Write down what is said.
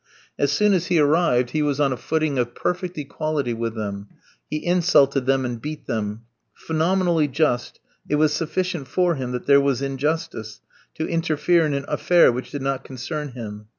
As soon as he arrived, he was on a footing of perfect equality with them. He insulted them and beat them. Phenomenally just, it was sufficient for him that there was injustice, to interfere in an affair which did not concern him.